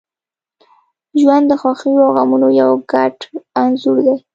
• ژوند د خوښیو او غمونو یو ګډ انځور دی.